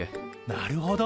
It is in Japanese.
なるほど。